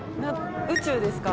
宇宙ですか？